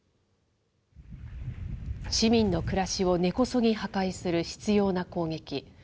市民の暮らしを根こそぎ破壊する執ような攻撃。